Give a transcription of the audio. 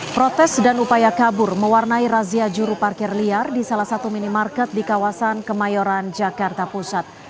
protes dan upaya kabur mewarnai razia juru parkir liar di salah satu minimarket di kawasan kemayoran jakarta pusat